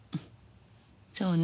そうね。